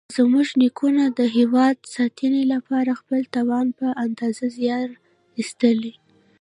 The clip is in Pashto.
زموږ نیکونو د هېواد ساتنې لپاره خپل توان په اندازه زیار ایستلی.